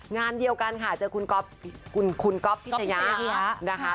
งานเดียวกันค่ะเจอคุณก๊อบพิเศยะ